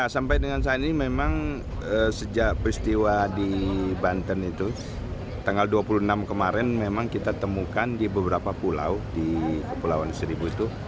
sampai dengan saat ini memang sejak peristiwa di banten itu tanggal dua puluh enam kemarin memang kita temukan di beberapa pulau di kepulauan seribu itu